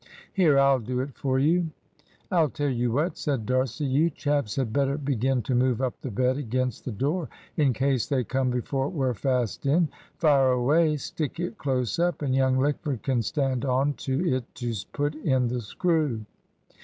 Here, I'll do it for you." "I'll tell you what," said D'Arcy, "you chaps had better begin to move up the bed against the door, in case they come before we're fast in. Fire away. Stick it close up, and young Lickford can stand on to it to put in the screw."